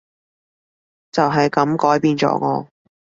就係噉改變咗我